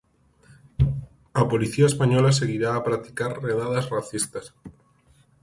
A policía española seguirá a practicar redadas racistas.